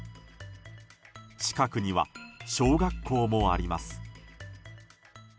近くには小学校もあります。